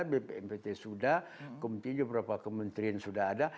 bpnpt sudah kementerian sudah beberapa kementerian sudah ada